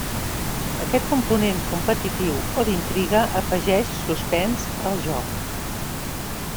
Aquest component competitiu o d'intriga afegeix suspens al joc.